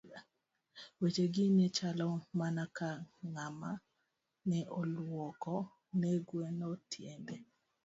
Weche gi ne chalo mana ka ng'ama ne lwoko ne gweno tiende.